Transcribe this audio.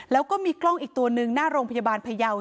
แล้วก็มีกล้องอีกตัวหนึ่งหน้าโรงพยาบาลพยาว